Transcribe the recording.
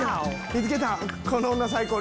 見つけた「この女最高」。